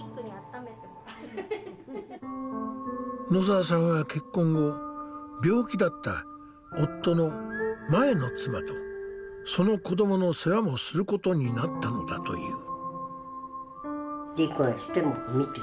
野澤さんは結婚後病気だった夫の前の妻とその子どもの世話もすることになったのだという。